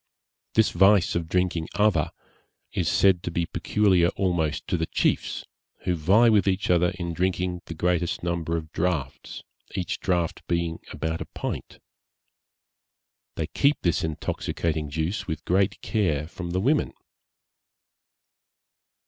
This vice of drinking ava is said to be peculiar almost to the chiefs, who vie with each other in drinking the greatest number of draughts, each draught being about a pint. They keep this intoxicating juice with great care from the women.